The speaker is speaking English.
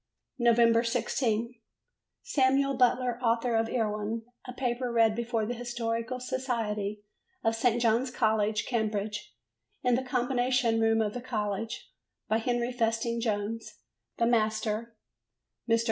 P. Nov. 16. Samuel Butler Author of Erewhon. A paper read before the Historical Society of St. John's College, Cambridge, in the Combination room of the college, by Henry Festing Jones. The Master (Mr. R.